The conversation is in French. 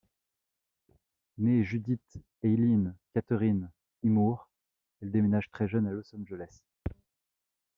Née Judith Eileen Katherine Immoor, elle déménage très jeune à Los Angeles.